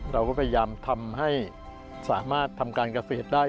เราก็พยายามทำให้สามารถทำการเกษตรได้